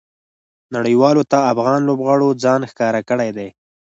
نړۍوالو ته افغان لوبغاړو ځان ښکاره کړى دئ.